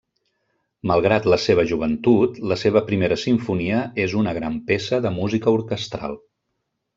Malgrat la seva joventut, la seva primera simfonia és una gran peça de música orquestral.